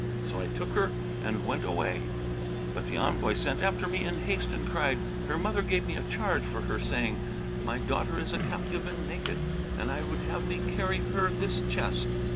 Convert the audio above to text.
So I took her and went away; but the envoy sent after me in haste and cried, 'Her mother gave me a charge for her, saying, 'My daughter is a captive and naked; and I would have thee carry her this chest.'